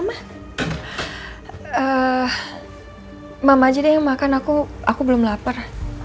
mama aja deh yang makan aku belum lapar